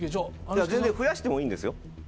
増やしてもいいんですよ。